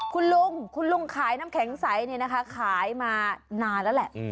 คุณลุงคุณลุงขายน้ำแข็งใสเนี่ยนะคะขายมานานแล้วแหละ